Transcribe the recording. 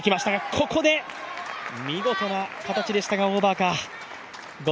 ここで見事な形でしたがオーバーか。